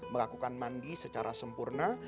melakukan mandi secara sempurna